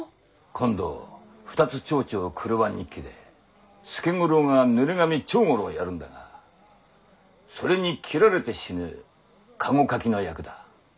今度「双蝶々曲輪日記」で助五郎が濡れ髪長五郎をやるんだがそれに斬られて死ぬ駕籠かきの役だ。